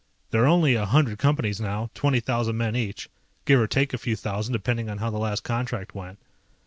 There are only a hundred Companies now, twenty thousand men each, give or take a few thousand depending on how the last contract went.